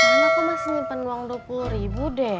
di sana kok masih nyimpen uang dua puluh ribu deh